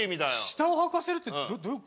下をはかせるってどう。